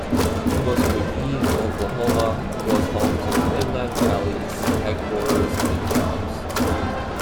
Muskogee, Oklahoma, was home to the Midland Valley's headquarters and shops.